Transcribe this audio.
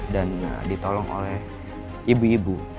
dan ditolong oleh ibu ibu